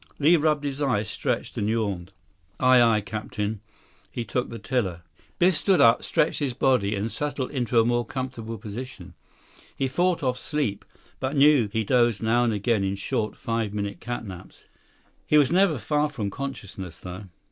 Li rubbed his eyes, stretched, and yawned. 100 "Aye, aye, Captain." He took the tiller. Biff stood up, stretched his body, then settled into a more comfortable position. He fought off sleep, but knew he dozed now and again in short, five minute catnaps. He was never far from consciousness, though.